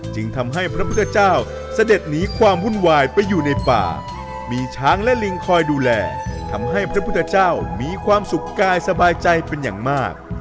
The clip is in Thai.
จึงทำให้พระพุทธเจ้าเสด็จหนีความวุ่นวายไปอยู่ในป่ามีช้างและลิงคอยดูแลทำให้พระพุทธเจ้ามีความสุขกายสบายใจเป็นอย่างมาก